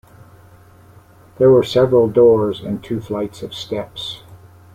There were several doors, and two flights of steps.